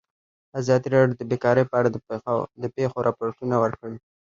ازادي راډیو د بیکاري په اړه د پېښو رپوټونه ورکړي.